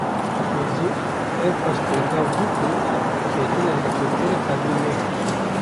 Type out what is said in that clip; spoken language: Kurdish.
Wezîr, ew qas tengav bû ku ketina helîkopterê qebûl nekir